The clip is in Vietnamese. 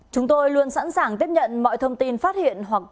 chúng tôi luôn sẵn sàng tiếp nhận mọi thông tin phát hiện hoặc